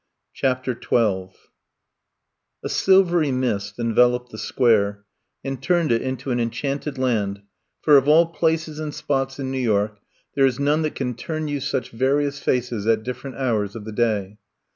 CHAPTER XII A SILVERY mist enveloped the Square and turned it into an enchanted land, for of all places and spots in New York, there is none that can turn you such various faces at diflferent hours of the day.